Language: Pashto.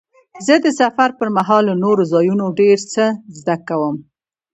زه د سفر پر مهال له نوو ځایونو ډېر څه زده کوم.